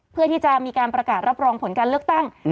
เพื่อที่จะมีการประกาศรับรองผลการเลือกตั้ง